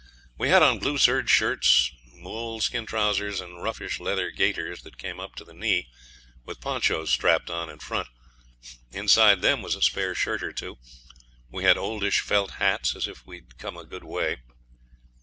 We had on blue serge shirts, moleskin trousers, and roughish leather gaiters that came up to the knee, with ponchos strapped on in front; inside them was a spare shirt or two; we had oldish felt hats, as if we'd come a good way.